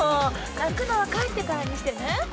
泣くのは帰ってからにしてね。